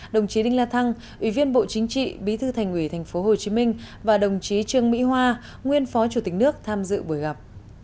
đồng chí đinh la thăng ủy viên bộ chính trị bí thư thành ủy thành phố hồ chí minh và đồng chí trương mỹ hoa nguyên phó chủ tịch nước tham dự buổi gặp